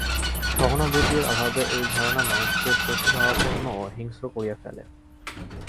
সহানুভূতির অভাবে এই ধারণা মানুষকে পশুভাবাপন্ন ও হিংস্র করিয়া ফেলে।